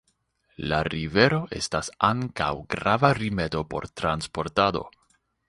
La rivero estas ankaŭ grava rimedo por transportado.